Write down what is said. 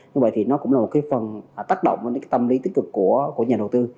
nhưng nó cũng là phần tác động tâm lý tích cực của nhà đầu tư